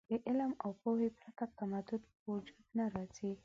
د علم او پوهې پرته تمدن په وجود نه راځي.